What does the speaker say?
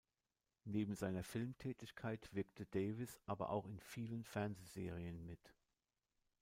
Neben seiner Filmtätigkeit wirkte Davis aber auch in vielen Fernsehserien mit.